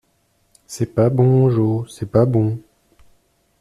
C’est pas bon Jo, c’est pas bon.